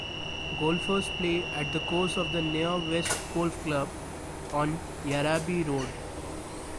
Golfers play at the course of the Nyah West Golf Club on Yarraby Road.